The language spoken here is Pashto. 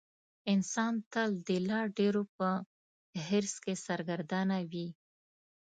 انسان تل د لا ډېرو په حرص کې سرګردانه وي.